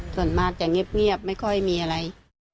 ส่วนมากจะเงียบไม่ค่อยมีอะไร